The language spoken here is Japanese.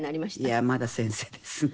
いやまだ「先生」ですね。